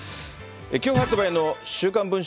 きょう発売の週刊文春